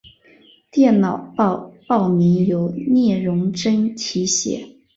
电脑报报名由聂荣臻题写。